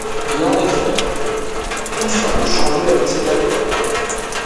Et en effet, tout semble changer avec cet album.